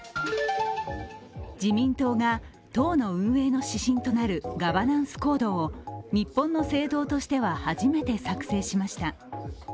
自民党が党の運営の指針となるガバナンス・コードを日本の政党としては初めて作成しました。